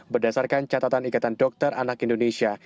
berdasarkan catatan ikatan dokter anak indonesia